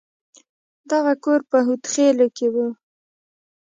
دغه کور په هود خيلو کښې و.